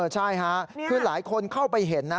ใช่ค่ะคือหลายคนเข้าไปเห็นนะ